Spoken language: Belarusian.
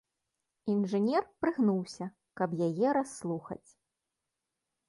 Інжынер прыгнуўся, каб яе расслухаць.